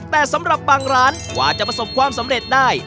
แต่สำหรับบางร้านกว่าจะประสบความสำเร็จได้